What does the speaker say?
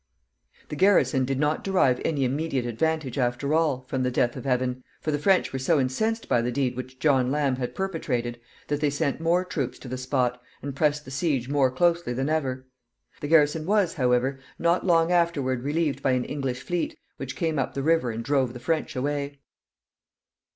The garrison did not derive any immediate advantage, after all, from the death of Evan, for the French were so incensed by the deed which John Lamb had perpetrated that they sent more troops to the spot, and pressed the siege more closely than ever. The garrison was, however, not long afterward relieved by an English fleet, which came up the river and drove the French away.